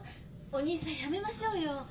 お義兄さんやめましょうよ。